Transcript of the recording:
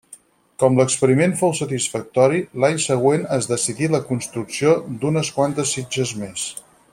Com l'experiment fou satisfactori, l'any següent es decidí la construcció d'unes quantes sitges més.